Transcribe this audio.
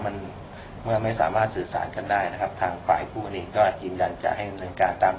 มันเมื่อไม่สามารถสื่อสารกันได้นะครับทางฝ่ายผู้นี้ก็อิงกันจะให้เงินเงินการตาม